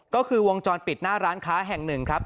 ก็คือวงจรปิดหน้าร้านค้าแห่งหนึ่งครับ